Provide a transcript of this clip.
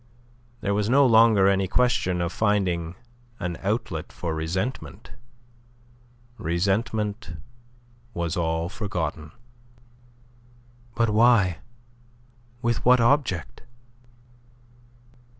There was no longer any question of finding an outlet for resentment. Resentment was all forgotten. "But why? With what object?"